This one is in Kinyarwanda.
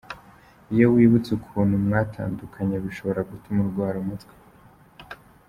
Iyo wibutse ukuntu mwatandukanye bishobora gutuma urwara umutwe.